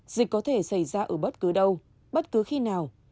dịch có thể xảy ra ở bất cứ đâu bất cứ khi nào